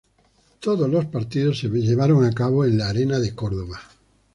Todos los partidos se llevaron a cabo en la Arena de Córdoba.